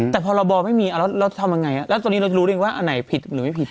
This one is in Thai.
แต่พรบไม่มีแล้วทำยังไงแล้วตอนนี้เราจะรู้ได้ว่าอันไหนผิดหรือไม่ผิด